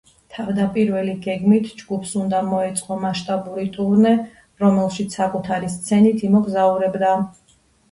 თავდაპირველი გეგმით ჯგუფს უნდა მოეწყო მასშტაბური ტურნე, რომელშიც საკუთარი სცენით იმოგზაურებდა.